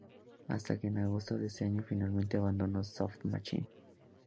Hasta que en agosto de ese año finalmente abandonó Soft Machine.